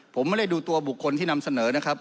ผมไม่ได้ดูตัวบุคคลที่นำเสนอนะครับ